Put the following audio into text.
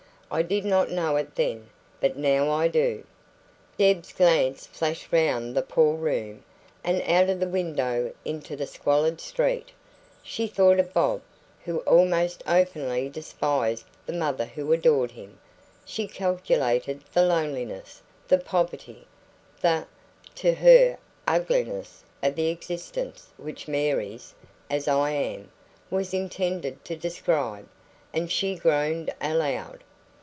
I did not know it then, but now I do." Deb's glance flashed round the poor room, and out of the window into the squalid street; she thought of Bob, who almost openly despised the mother who adored him; she calculated the loneliness, the poverty, the to her ugliness of the existence which Mary's "as I am" was intended to describe; and she groaned aloud.